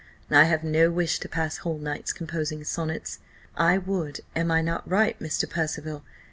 I have no wish to pass whole nights composing sonnets. I would (am I not right, Mr. Percival?)